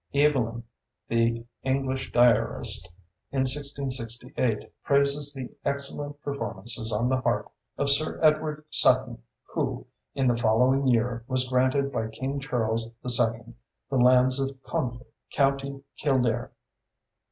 Evelyn, the English diarist, in 1668, praises the excellent performance on the harp of Sir Edward Sutton, who, in the following year, was granted by King Charles II. the lands of Confey, Co. Kildare.